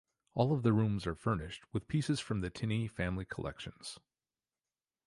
All of the rooms are furnished with pieces from the Tinney Family collections.